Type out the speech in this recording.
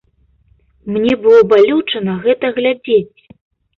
Мне было балюча на гэта глядзець.